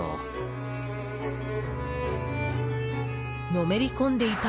［のめりこんでいた